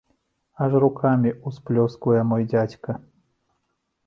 Аж рукамі ўсплёсквае мой дзядзька.